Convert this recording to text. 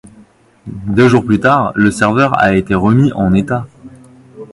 Deux jours plus tard, le serveur a été remis en état.